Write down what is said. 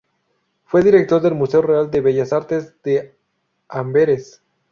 Fue director del Museo Real de Bellas Artes de Amberes.